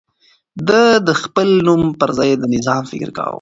ده د خپل نوم پر ځای د نظام فکر کاوه.